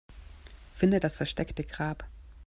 Finde das versteckte Grab.